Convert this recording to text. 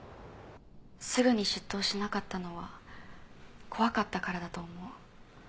すぐに出頭しなかったのは怖かったからだと思う。